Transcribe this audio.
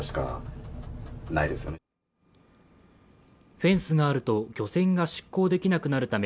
フェンスがあると漁船が出港できなくなるため